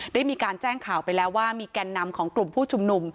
ได้มีการแจ้งข่าวไปแล้วว่ามีแก่นนำของกลุ่มผู้ชุมนุม